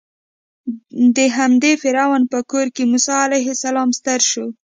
د همدې فرعون په کور کې موسی علیه السلام ستر شو.